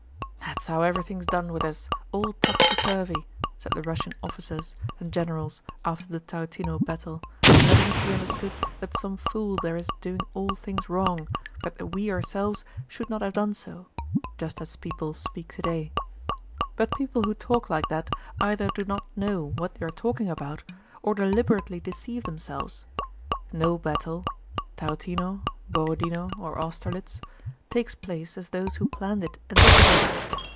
"That's how everything is done with us, all topsy turvy!" said the Russian officers and generals after the Tarútino battle, letting it be understood that some fool there is doing things all wrong but that we ourselves should not have done so, just as people speak today. But people who talk like that either do not know what they are talking about or deliberately deceive themselves. No battle—Tarútino, Borodinó, or Austerlitz—takes place as those who planned it anticipated.